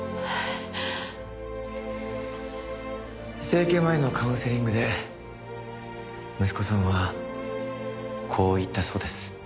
整形前のカウンセリングで息子さんはこう言ったそうです。